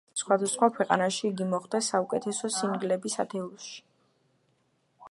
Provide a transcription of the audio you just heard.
სხვადასხვა ქვეყანაში იგი მოხვდა საუკეთესო სინგლების ათეულებში.